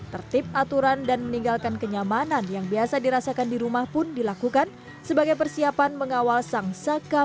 tertib aturan dan meninggalkan kenyamanan yang biasa dirasakan di rumah pun dilakukan sebagai persiapan mengambil makanan yang disediakan